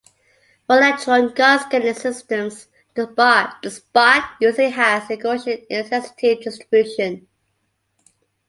For electron gun scanning systems, the spot usually has a Gaussian intensity distribution.